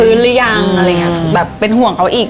พื้นหรือยังแบบเป็นห่วงเขาอีก